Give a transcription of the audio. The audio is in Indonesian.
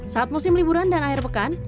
saat musim liburan dan akhir pekan